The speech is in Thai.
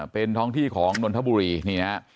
เป็นท้องที่ของนนทบุรีนี่นะฮะ